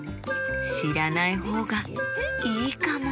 しらないほうがいいかも！